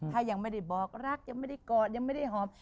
ถ้ายังไม่ได้บอกรักยังไม่ได้กอดยังไม่ได้หอม